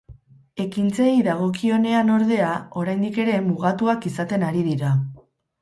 Ekintzei dagokionean ordea, oraindik ere, mugatuak izaten ari dira.